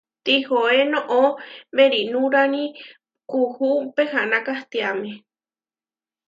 Tihoé noʼó merinurani kuú pehaná kahtiáme.